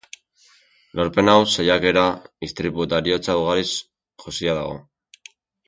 Lorpen hau saiakera, istripu eta heriotza ugariz josia dago.